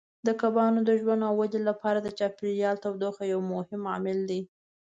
د کبانو د ژوند او ودې لپاره د چاپیریال تودوخه یو مهم عامل دی.